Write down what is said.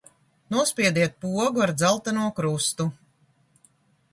Nospiediet pogu ar dzelteno krustu.